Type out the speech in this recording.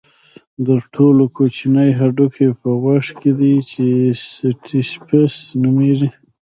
تر ټولو کوچنی هډوکی په غوږ کې دی چې سټیپس نومېږي.